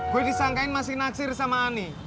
gue disangkain masih naksir sama ani